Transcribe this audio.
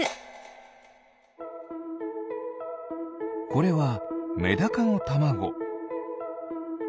これはメダカのたまご。